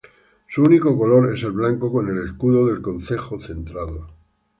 Su único color es el blanco, con el escudo del concejo centrado.